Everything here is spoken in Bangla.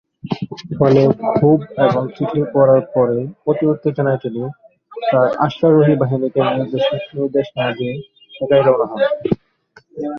ফলে, ক্ষোভ এবং চিঠির পরার পরে অতি উত্তেজনায় তিনি তাঁর অশ্বারোহী বাহিনীকে নির্দেশ না দিয়ে একাই রওনা হন।